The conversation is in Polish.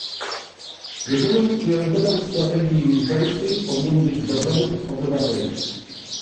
Jedynym priorytetem strategii lizbońskiej powinien być dobrobyt obywateli